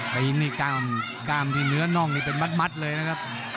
ตีนนี่กล้ามที่เนื้อน่องนี่เป็นมัดเลยนะครับ